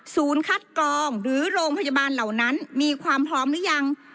คัดกรองหรือโรงพยาบาลเหล่านั้นมีความพร้อมหรือยัง